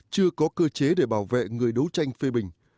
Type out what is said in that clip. chưa có cơ chế để bảo vệ người đấu tranh phê bình